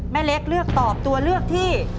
แม่เล็กเลือกตอบตัวเลือกที่